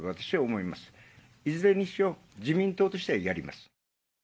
いずれにしろ、自民党としてはやります。